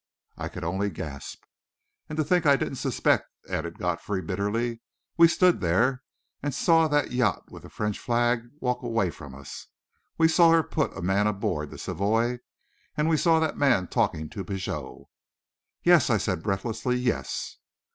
I could only gasp. "And to think I didn't suspect!" added Godfrey, bitterly. "We stood there and saw that yacht with the French flag walk away from us; we saw her put a man aboard the Savoie; we saw that man talking to Pigot...." "Yes," I said, breathlessly; "yes."